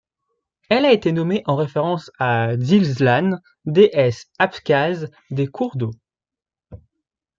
Elle a été nommée en référence à Dzyzlan, déesse abkhaze des cours d'eau.